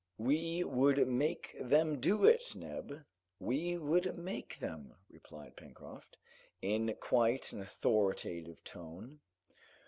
"We would make them do it, Neb, we would make them," replied Pencroft, in quite an authoritative tone.